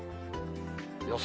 予想